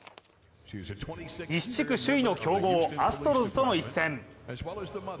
西地区首位の強豪アストロズとの一戦。